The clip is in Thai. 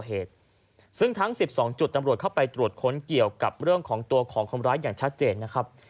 เหตุซึ่งทั้ง๑๒จุดตำรวจเข้าไปตรวจค้นเกี่ยวกับเรื่องของตัวของคนร้ายอย่างชัดเจนนะครับ